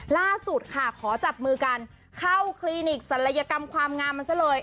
ล่าสุดค่ะขอจับมือกันเข้าคลินิกศัลยกรรมความงามมันซะเลย